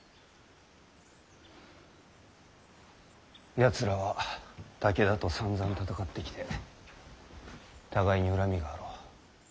やつらは武田とさんざん戦ってきて互いに恨みがあろう。